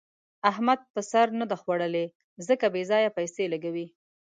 احمد پر سر نه ده خوړلې؛ ځکه بې ځايه پيسې لګوي.